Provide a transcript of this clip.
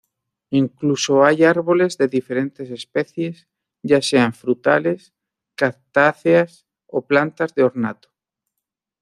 Incluso hay árboles de diferentes especies ya sean frutales, cactáceas o plantas de ornato.